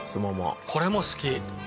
これも好き。